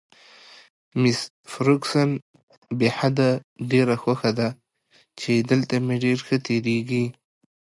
مس فرګوسن: بې حده، ډېره خوښه ده چې دلته مې ډېر ښه تېرېږي.